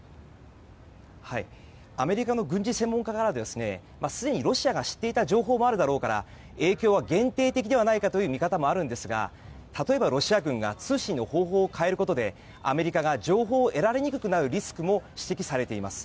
アメリカの軍事専門家はすでにロシアが知っていた情報もあるだろうから影響は限定的ではないかという見方もあるんですが例えば、ロシア軍が通信の方法を変えることでアメリカが情報を得られにくくなるリスクも指摘されています。